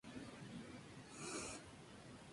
Otros compositores como Benjamin Britten y su Op.